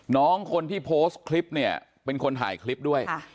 น้องคนที่โพสต์คลิปเนี่ยเป็นคนถ่ายคลิปด้วย